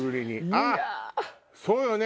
あっそうよね！